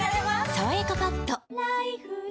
「さわやかパッド」